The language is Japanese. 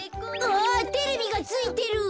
あテレビがついてる。